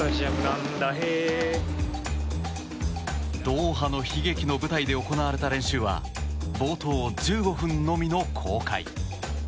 ドーハの悲劇の舞台で行われた練習は冒頭１５分のみの公開。